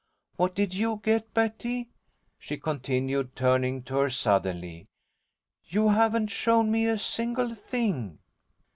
What did you get, Betty?" she continued, turning to her suddenly. "You haven't shown me a single thing."